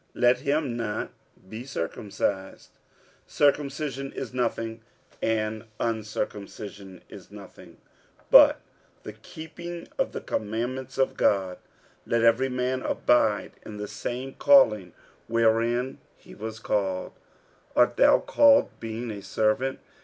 let him not be circumcised. 46:007:019 Circumcision is nothing, and uncircumcision is nothing, but the keeping of the commandments of God. 46:007:020 Let every man abide in the same calling wherein he was called. 46:007:021 Art thou called being a servant?